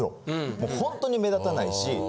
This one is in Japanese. もうホントに目立たないし。